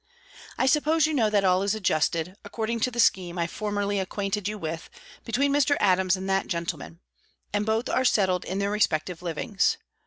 I suppose you know that all is adjusted, according to the scheme I formerly acquainted you with, between Mr. Adams and that gentleman; and both are settled in their respective livings.